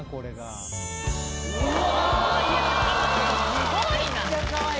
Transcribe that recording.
すごいな。